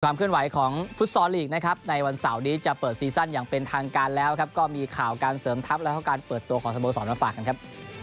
เคลื่อนไหวของฟุตซอลลีกนะครับในวันเสาร์นี้จะเปิดซีซั่นอย่างเป็นทางการแล้วครับก็มีข่าวการเสริมทัพแล้วก็การเปิดตัวของสโมสรมาฝากกันครับ